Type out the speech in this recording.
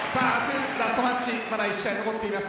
明日ラストマッチ、まだ１試合残っています